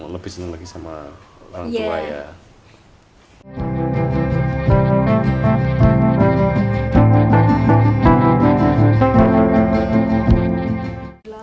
lebih senang lagi sama orang tua ya